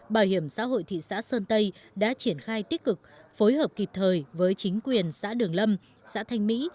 bảo hiểm xã hội thị xã sơn tây đã triển khai tích cực phối hợp kịp thời với chính quyền xã đường lâm xã thanh mỹ